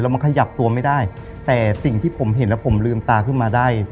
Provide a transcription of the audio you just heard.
มันขยับตัวไม่ได้แต่สิ่งที่ผมเห็นแล้วผมลืมตาขึ้นมาได้